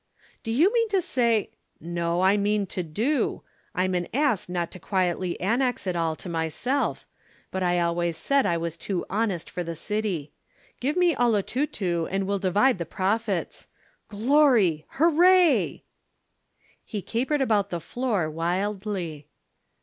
"'"Do you mean to say ?" "'"No, I mean to do. I'm an ass not to quietly annex it all to myself, but I always said I was too honest for the City. Give me 'Olotutu' and we'll divide the profits. Glory! Hooray!" "'He capered about the floor wildly.